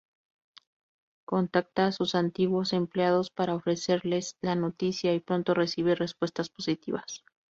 Contacta a sus antiguos empleadores para ofrecerles la noticia y pronto recibe respuestas positivas.